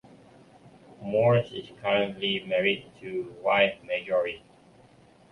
Moores is currently married to wife Marjorie.